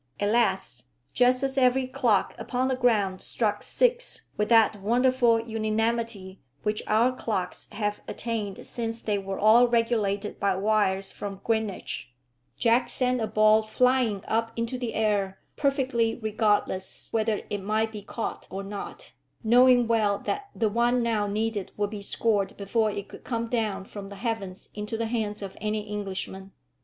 At last, just as every clock upon the ground struck six with that wonderful unanimity which our clocks have attained since they were all regulated by wires from Greenwich, Jack sent a ball flying up into the air, perfectly regardless whether it might be caught or not, knowing well that the one now needed would be scored before it could come down from the heavens into the hands of any Englishman.